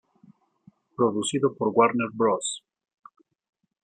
Producido por Warner Bros.